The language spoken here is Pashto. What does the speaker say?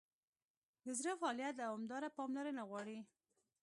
د زړه فعالیت دوامداره پاملرنه غواړي.